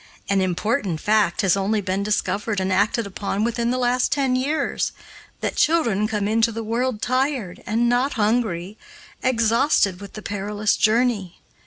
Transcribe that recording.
An important fact has only been discovered and acted upon within the last ten years, that children come into the world tired, and not hungry, exhausted with the perilous journey.